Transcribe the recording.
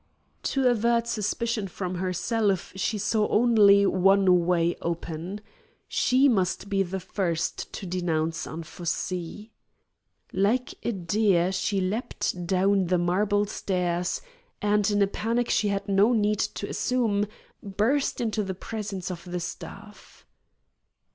To avert suspicion from herself she saw only one way open. She must be the first to denounce Anfossi. Like a deer she leaped down the marble stairs and, in a panic she had no need to assume, burst into the presence of the staff.